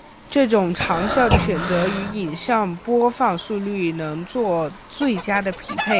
这种长效性的选择与影像播放速率能做最佳的匹配。